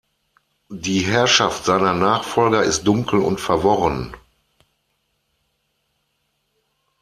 Die Herrschaft seiner Nachfolger ist dunkel und verworren.